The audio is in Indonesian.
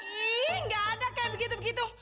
ih gak ada kayak begitu begitu